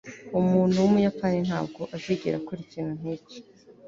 umuntu wumuyapani ntabwo azigera akora ikintu nkicyo